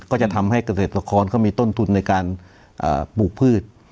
ก็จะทำให้เกษตรกรเขามีต้นทุนในการปลูกพืช